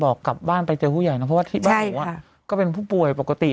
กลับบ้านไปเจอผู้ใหญ่นะเพราะว่าที่บ้านหนูก็เป็นผู้ป่วยปกติ